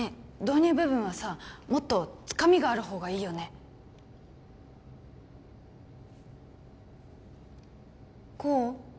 導入部分はさもっとつかみがあるほうがいいよね功？